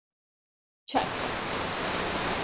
Çak!